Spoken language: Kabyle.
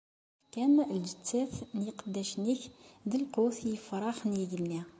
Fkan lǧettat n yiqeddacen-ik d lqut i yifrax n yigenni.